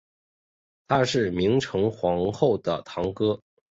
他是明成皇后的堂哥。